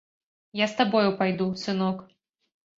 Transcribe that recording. Я з табою пайду, сынок!